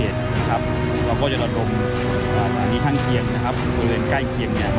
แต่ว่าตอนนี้ยังมีเหตุนะครับ